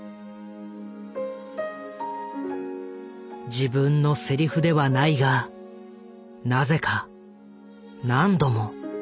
自分のセリフではないがなぜか何度も。